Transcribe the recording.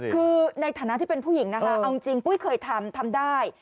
คือในฐานะที่เป็นผู้หญิงนะคะเอาจริงปุ้ยเคยทำทำได้